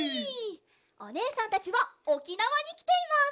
おねえさんたちはおきなわにきています。